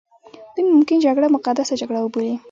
دوی ممکن جګړه مقدسه جګړه وبولي.